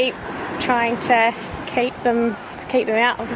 menjaga mereka karena agak keras